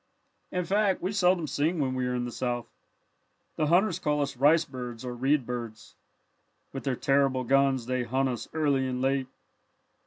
"In fact we seldom sing when we are in the South. The hunters call us 'rice birds' or 'reed birds.' With their terrible guns they hunt us early and late.